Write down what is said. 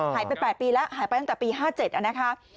หายไป๘ปีแล้วหายไปตั้งแต่ปี๕๗นะคะ